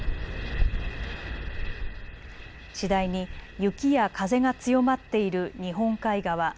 次第に雪や風が強まっている日本海側。